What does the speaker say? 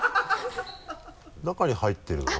中に入ってるのは？